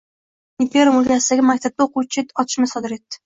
Rossiyaning Perm o‘lkasidagi maktabda o‘quvchi otishma sodir etdi